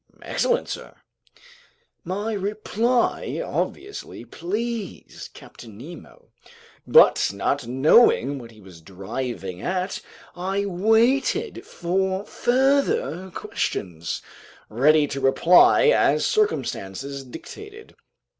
"Excellent, sir." My reply obviously pleased Captain Nemo. But not knowing what he was driving at, I waited for further questions, ready to reply as circumstances dictated.